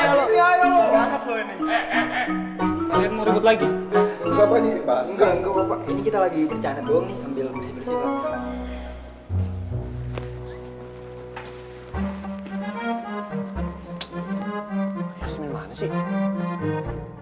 yasmin mana sih